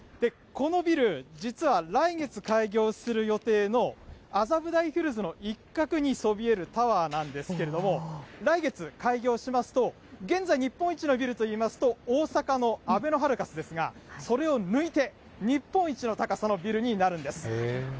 このビル、実は来月開業する予定の麻布台ヒルズの一角にそびえるタワーなんですけれども、来月開業しますと、現在、日本一のビルといいますと、大阪のあべのハルカスですが、それを抜いて、日本一の高さのビルになるんです。